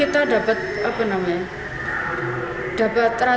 untuk data terakhir bu ektp yang belum tercetak itu berapa